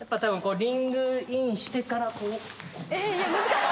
リングインしてからこう。